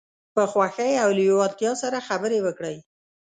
په خوښۍ او لیوالتیا سره خبرې وکړئ.